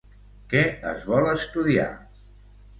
Què es vol estudiar?